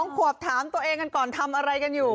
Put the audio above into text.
๒ขวบถามตัวเองกันก่อนทำอะไรกันอยู่